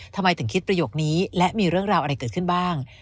ทำไมถึงคิดประโยคนี้และมีเรื่องราวอะไรเกิดขึ้นบ้าง